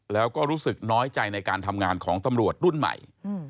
แล้วก็รู้สึกน้อยใจในการทำงานของตำรวจรุ่นใหม่